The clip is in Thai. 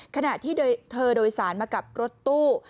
ขณะที่เธอโดยสารมากับรถตู้